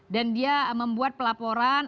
dan dia membuat pelaporan